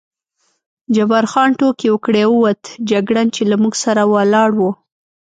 جبار خان ټوکې وکړې او ووت، جګړن چې له موږ سره ولاړ و.